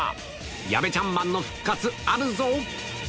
矢部ちゃんマンの復活、あるぞ。